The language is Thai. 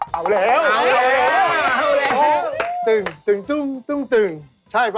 เอาแล้ว